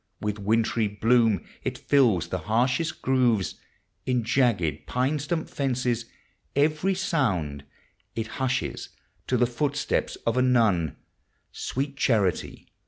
With wintry bloom it fills the liarshost gTOOVefl In jagged pine stump fences. K\< r\ Bound It hushes to the footstep of a nun. Sweet Charity!